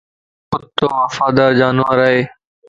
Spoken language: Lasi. ڪُتو وفادار جانور ائي